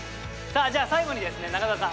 じゃあ最後にですね中澤さん